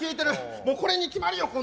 もうこれに決まりよ、これ。